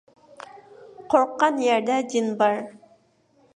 قورققان يەردە جىن بار.